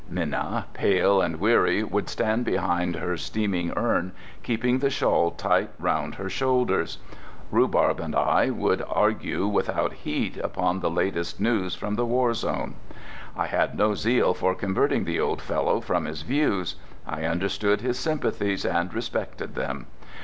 Minna, pale and weary, would stand behind her steaming urn, keeping the shawl tight round her shoulders; Rhubarb and I would argue without heat upon the latest news from the war zone. I had no zeal for converting the old fellow from his views; I understood his sympathies and respected them.